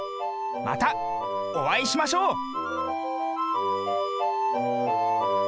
またおあいしましょう。